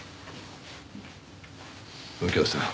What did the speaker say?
右京さん。